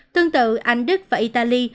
tương tự anh đức và italy